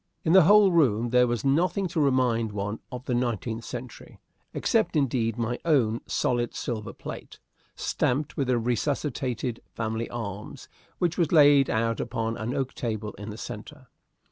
In the whole room there was nothing to remind one of the nineteenth century; except, indeed, my own solid silver plate, stamped with the resuscitated family arms, which was laid out upon an oak table in the centre.